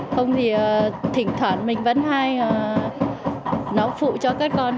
không thì thỉnh thoảng mình vẫn hay nó phụ cho các con